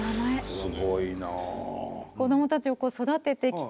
すごいな。